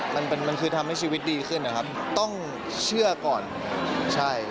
มันมันคือทำให้ชีวิตดีขึ้นนะครับต้องเชื่อก่อนใช่